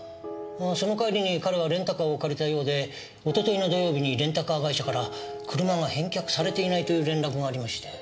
その帰りに彼はレンタカーを借りたようでおとといの土曜日にレンタカー会社から車が返却されていないという連絡がありまして。